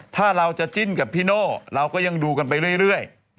ถ้าเราจะจิ้นกับพี่โน่เราก็ยังดูกันไปเรื่อย